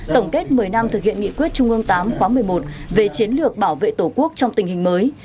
tổng kết một mươi năm thực hiện nghị quyết trung ương tám khóa một mươi một về chiến lược bảo vệ tổ quốc trong tình hình mới